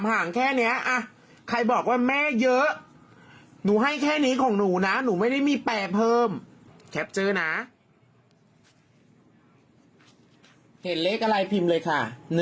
เห็นเลขอะไรพิมพ์เลยค่ะ